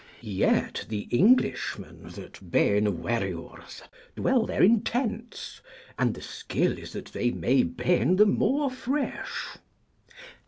Yet the Englishmen that ben werryoures dwell there in tents, and the skill is that they may ben the more fresh.